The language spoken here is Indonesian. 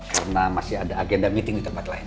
karena masih ada agenda meeting di tempat lain